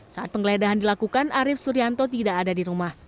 saat penggeledahan dilakukan arief suryanto tidak ada di rumah